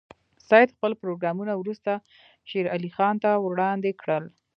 سید خپل پروګرامونه وروسته شېر علي خان ته وړاندې کړل.